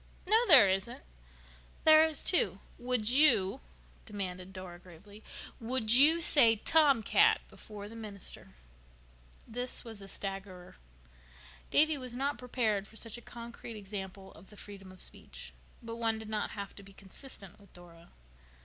"No, there isn't." "There is, too. Would you," demanded Dora gravely, "would you say 'tomcat' before the minister?" This was a staggerer. Davy was not prepared for such a concrete example of the freedom of speech. But one did not have to be consistent with Dora.